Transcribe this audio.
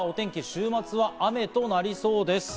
週末は雨となりそうです。